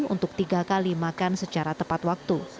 untuk tiga kali makan secara tepat waktu